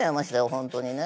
本当にね。